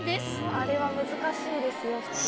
あれは難しいですよ普通。